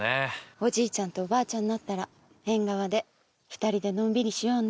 おじいちゃんとおばあちゃんになったら縁側で２人でのんびりしようね。